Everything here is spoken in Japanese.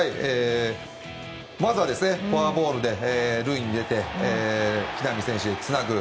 まずはフォアボールで塁に出て木浪選手へつなぐ。